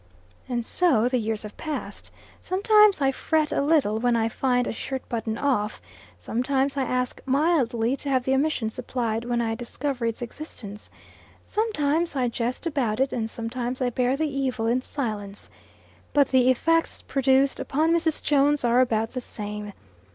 And so the years have passed. Sometimes I fret a little when I find a shirt button off; sometimes I ask mildly to have the omission supplied when I discover its existence; sometimes I jest about it, and sometimes I bear the evil in silence. But the effects produced upon Mrs. Jones are about the same.